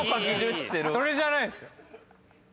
それじゃないです。